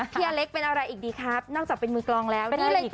พี่อเล็กค์เป็นอะไรอีกดีครับนอกจากเป็นมือกรองแล้ว